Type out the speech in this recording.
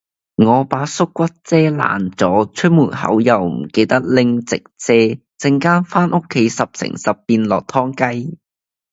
我把縮骨遮爛咗，出門口又唔記得拎直遮，陣間返屋企十成十變落湯雞